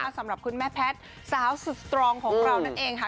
สำหรับคุณแม่แพทย์สาวสุดสตรองของเรานั่นเองค่ะ